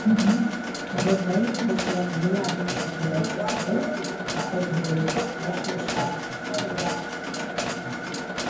Horrez gain, emozioak nola erregulatu daitezkeen aztertuko dute guraso eskolan.